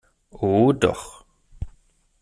Oh doch!